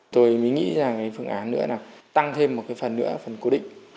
tôi mới nghĩ rằng cái phương án nữa là tăng thêm một cái phần nữa phần cố định